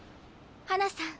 花さん。